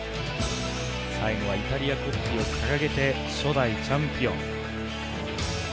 最後はイタリア国旗を掲げて初代チャンピオン。